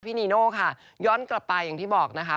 นีโน่ค่ะย้อนกลับไปอย่างที่บอกนะคะ